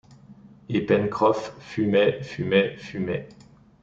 Et Pencroff fumait, fumait, fumait !